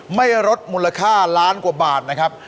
ไม่ลดมูลค่าล้านกว่าบาทนะครับ